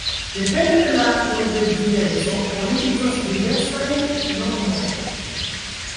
Depende de la ingredienco oni uzas diversajn nomojn.